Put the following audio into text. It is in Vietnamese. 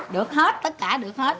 được hết tất cả được hết